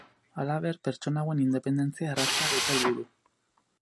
Halaber, pertsona hauen independentzia erraztea dute helburu.